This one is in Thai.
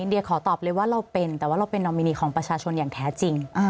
เดียขอตอบเลยว่าเราเป็นแต่ว่าเราเป็นนอมินีของประชาชนอย่างแท้จริง